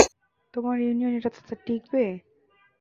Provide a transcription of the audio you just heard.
তোমার ইউনিয়ন এটাতে টিকবে?